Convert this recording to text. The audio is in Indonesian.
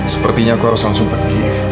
sepertinya aku harus langsung pergi